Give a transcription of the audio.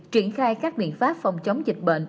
triển khai các biện pháp phòng chống dịch bệnh